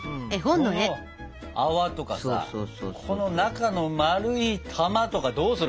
この泡とかさこの中の丸い玉とかどうする？